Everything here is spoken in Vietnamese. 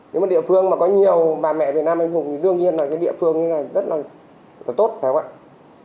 nếu mà địa phương mà có nhiều bà mẹ việt nam anh hùng thì đương nhiên là cái địa phương rất là tốt phải không ạ